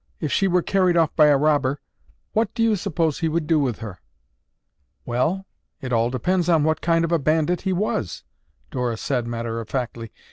If she were carried off by a robber, what do you suppose he would do with her?" "Well, it all depends on what kind of a bandit he was," Dora said matter of factly.